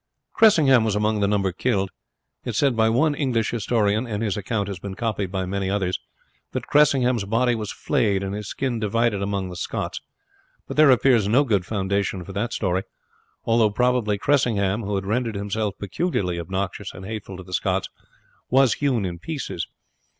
Cressingham was among the number killed. It was said by one English historian, and his account has been copied by many others, that Cressingham's body was flayed and his skin divided among the Scots; but there appears no good foundation for the story, although probably Cressingham, who had rendered himself peculiarly obnoxious and hateful to the Scots, was hewn in pieces.